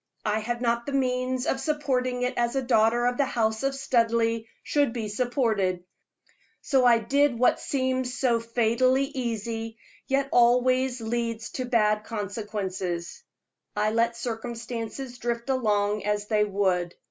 I had not the means of supporting it as a daughter of the house of Studleigh should be supported, so I did what seems so fatally easy, yet always leads to bad consequences I let circumstances drift along as they would.